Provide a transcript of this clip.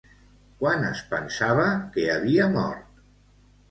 Quan es pensava que havia mort?